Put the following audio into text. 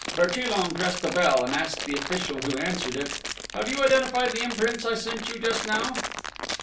Bertillon pressed a bell, and asked the official who answered it: "Have you identified the imprints I sent you just now?"